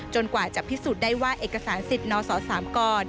กว่าจะพิสูจน์ได้ว่าเอกสารสิทธิ์นศ๓กร